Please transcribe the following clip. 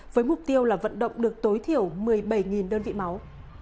với mục tiêu là vận động được tối thiểu một mươi bảy đơn vị máu